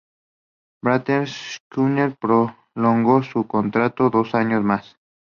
Bretagne-Schuller prolongó su contrato dos años más.